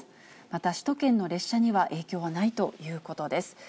また、首都圏の列車には影響はないということです。